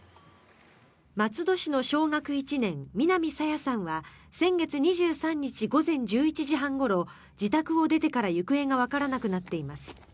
松戸市の小学１年南朝芽さんは先月２３日午前１１時半ごろ自宅を出てから行方がわからなくなっています。